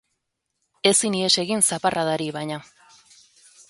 Ezin ihes egin zaparradari, baina.